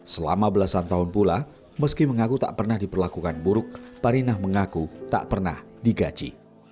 selama belasan tahun pula meski mengaku tak pernah diperlakukan buruk parinah mengaku tak pernah digaji